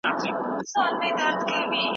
سوسياليستي نظام شخصي ملکيت ته ځای نه ورکوي.